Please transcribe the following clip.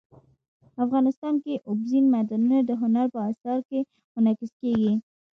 افغانستان کې اوبزین معدنونه د هنر په اثار کې منعکس کېږي.